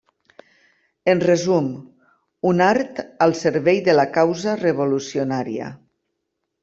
En resum: un art al servei de la causa revolucionària.